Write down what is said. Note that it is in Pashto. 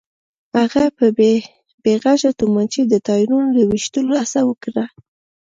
هغې په بې غږه تومانچې د ټايرونو د ويشتلو هڅه وکړه.